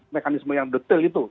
mekanisme yang detail itu